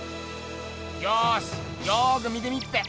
よしよく見てみっぺ！